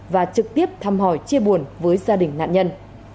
và trực tiếp thăm hỏi chia buồn với gia đình nạn nhân